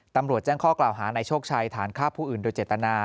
ตำรวจแจ้งข้อกล่าวหาในโชคชัยฐานฆ่าผู้อื่นโดยเจตนา